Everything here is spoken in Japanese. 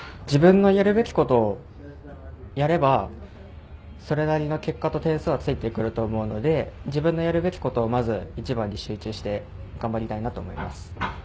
自分のやるべきことをやればそれなりの結果と点数はついてくると思うので自分のやるべきことをまず一番に集中して頑張りたいなと思います。